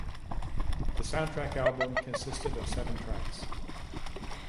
The soundtrack album consisted of seven tracks.